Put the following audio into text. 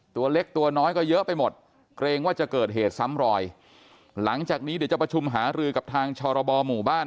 ตัวเล็กตัวน้อยก็เยอะไปหมดเกรงว่าจะเกิดเหตุซ้ำรอยหลังจากนี้เดี๋ยวจะประชุมหารือกับทางชรบหมู่บ้าน